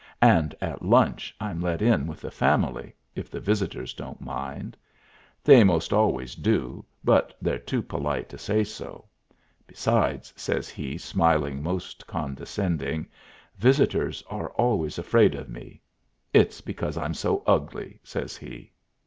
And at lunch I'm let in with the family, if the visitors don't mind. They 'most always do, but they're too polite to say so. Besides," says he, smiling most condescending, "visitors are always afraid of me. It's because I'm so ugly," says he.